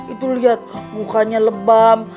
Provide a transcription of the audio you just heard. itu liat mukanya lebam